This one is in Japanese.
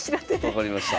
分かりました。